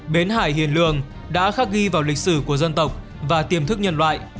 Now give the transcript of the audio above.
bến hải hiền lương đã khắc ghi vào lịch sử của dân tộc và tiềm thức nhân loại